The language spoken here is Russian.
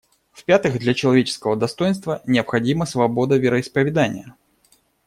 В-пятых, для человеческого достоинства необходима свобода вероисповедания.